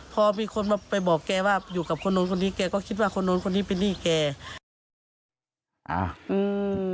พอมีคนมาไปบอกแกว่าอยู่กับคนนู้นคนนี้แกก็คิดว่าคนนู้นคนนี้เป็นหนี้แกอ่าอืม